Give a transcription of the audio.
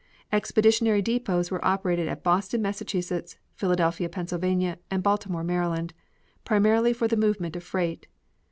Expeditionary depots were operated at Boston, Mass., Philadelphia, Pa., and Baltimore, Md., primarily for the movement of freight.